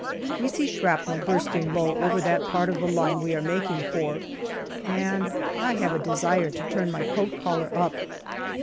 We see shrapnel bursting low over that part of the line we are making for, and I have a desire to turn my coat collar up.